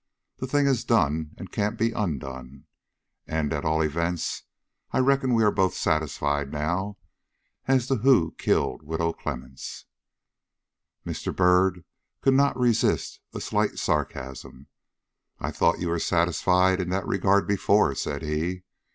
The thing is done, and can't be undone. And, at all events, I reckon we are both satisfied now as to who killed Widow Clemmens!" Mr. Byrd could not resist a slight sarcasm. "I thought you were satisfied in that regard before?" said he.